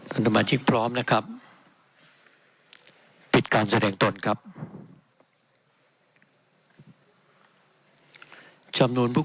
ขอเชิญว่าการกระทรวงขันคลัง